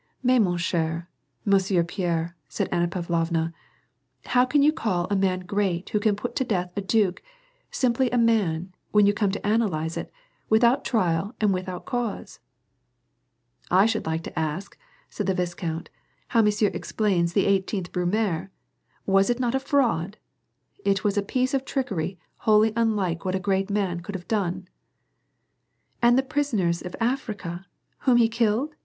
" MaiSf man eher Monsieur Pierre," said Anna Pavlovna, " how can you call a man great who can put to death a duke, simply a man, when you come to analyze it, without trial and without cause ?"" I should like to ask," said the viscount, " how monsieur explains the Eighteenth* Brumaire. Was it not a fraud ? It was a piece of trickery wholly unlike what a great man could have done.''* "And the prisoners in Africa, whom he killed